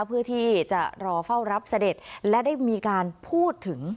เพื่อที่จะรอเฝ้ารับเสด็จและได้มีการพูดถึง